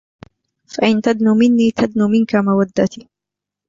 فَإِن تَدنُ مِنّي تَدنُ مِنكَ مَوَدَّتي